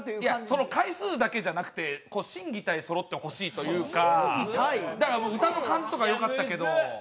その回数だけじゃなくて、心技体そろってほしいというか、歌の感じとかよかったけど。